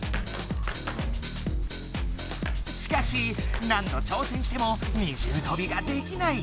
しかし何度挑戦しても二重とびができない。